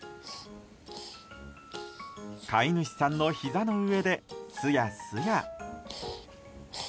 飼い主さんのひざの上ですやすや。